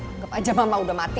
anggap aja mama udah mati